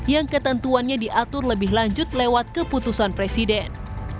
yang ketentuannya diatur lebih lanjut lewat keputusan presiden